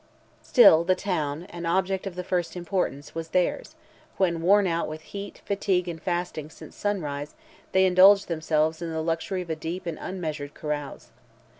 Still the town, an object of the first importance, was theirs, when worn out with heat, fatigue, and fasting since sunrise, they indulged themselves in the luxury of a deep unmeasured carouse.